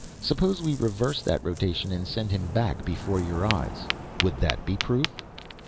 'Suppose we reverse that rotation and send him back before your eyes would that be proof?'